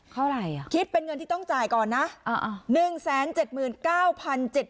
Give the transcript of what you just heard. เท่าไหร่อ่ะคิดเป็นเงินที่ต้องจ่ายก่อนนะ